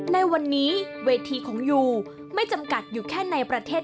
ในวันนี้เวทีของยูไม่จำกัดอยู่แค่ในประเทศ